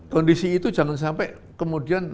kondisi itu jangan sampai kemudian